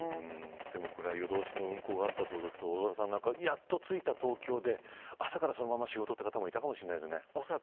でもこれ夜通しの運行があったということでやっと着いた東京で朝からそのまま仕事という方もいたかもしれないですね。